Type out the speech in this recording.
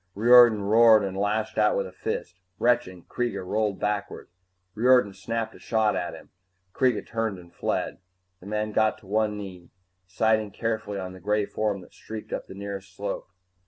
Riordan roared and lashed out with a fist. Retching, Kreega rolled backward. Riordan snapped a shot at him. Kreega turned and fled. The man got to one knee, sighting carefully on the gray form that streaked up the nearest slope.